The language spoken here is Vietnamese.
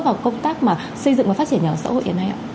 vào công tác mà xây dựng và phát triển nhà ở xã hội hiện nay ạ